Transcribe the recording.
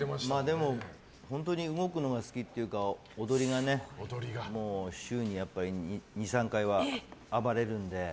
でも本当に動くのが好きっていうか踊りが週にやっぱり２３回は暴れるんで。